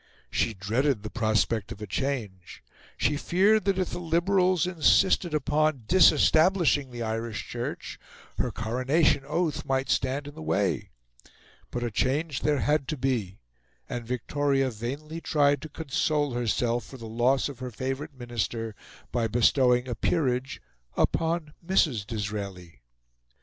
She dreaded the prospect of a change; she feared that if the Liberals insisted upon disestablishing the Irish Church, her Coronation Oath might stand in the way. But a change there had to be, and Victoria vainly tried to console herself for the loss of her favourite Minister by bestowing a peerage upon Mrs. Disraeli.